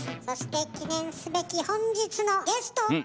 そして記念すべき本日のゲスト！